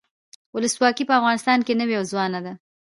ولسواکي په افغانستان کې نوي او ځوانه ده.